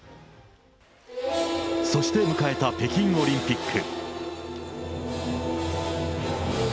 そして迎えた北京オリンピック。